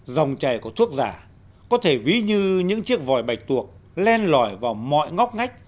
dòng chảy của thuốc giả có thể ví như những chiếc vòi bạch tuộc len lỏi vào mọi ngóc ngách